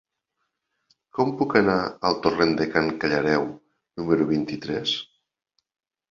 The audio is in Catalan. Com puc anar al torrent de Can Caralleu número vint-i-tres?